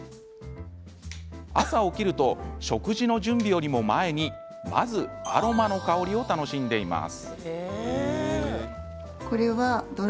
朝、起きると食事の準備よりも前にまずアロマの香りを楽しんでいます。